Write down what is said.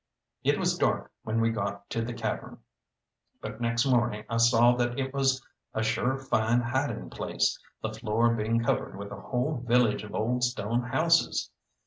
It was dark when we got to the cavern, but next morning I saw that it was a sure fine hiding place, the floor being covered with a whole village of old stone houses.